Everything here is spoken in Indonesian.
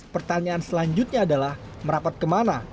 pertanyaan selanjutnya adalah merapat ke mana